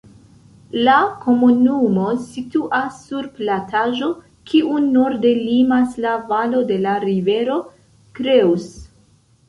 La komunumo situas sur plataĵo, kiun norde limas la valo de la rivero Creuse.